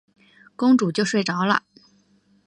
公主就睡着了。